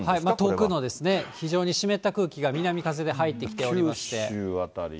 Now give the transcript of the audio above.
遠くの非常に湿った空気が南風で入ってきておりまして。